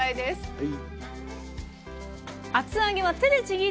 はい。